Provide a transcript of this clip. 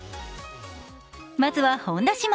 まずは本田姉妹。